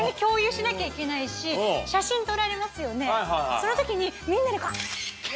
その時にみんなで。